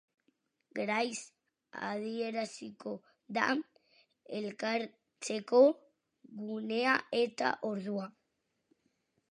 Garaiz adieraziko da elkartzeko gunea eta ordua.